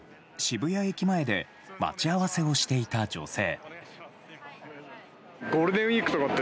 渋谷駅前で待ち合わせをしていた女性。